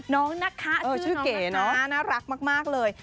น้องนักค้าชื่อนักค้าน่ารักมากเลย